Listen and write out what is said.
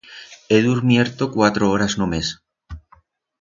He durmierto cuatro horas només.